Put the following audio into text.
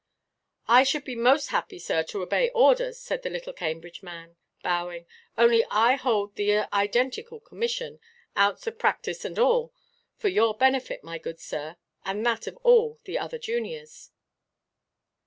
"I should be most happy, sir, to obey orders," said the little Cambridge man, bowing; "only I hold the identical commission, ounce of practice and all, for your benefit, my good sir, and that of all the other juniors."